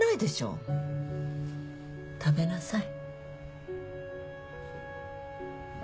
食べなさい